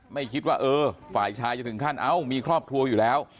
ไม่คิดว่าเออฝ่ายชายจะถึงขั้นเอ้ามีครอบครัวอยู่แล้ว